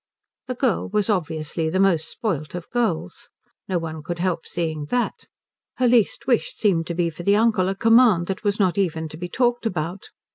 The girl was obviously the most spoilt of girls. No one could help seeing that. Her least wish seemed to be for the uncle a command that was not even to be talked about.